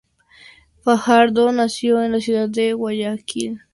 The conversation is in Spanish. Fajardo nació en la ciudad de Guayaquil, Ecuador.